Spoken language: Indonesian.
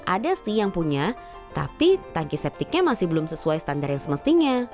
ada sih yang punya tapi tangki septiknya masih belum sesuai standar yang semestinya